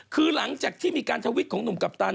คือหลังจากที่มีการทวิตของหนุ่มกัปตัน